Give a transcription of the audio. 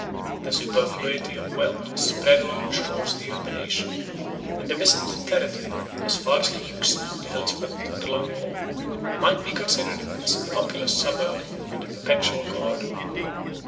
The superfluity of wealth was spread along the shores of Europe and Asia; and the Byzantine territory, as far as the Euxine, the Hellespont, and the long wall, might be considered as a populous suburb and a perpetual garden.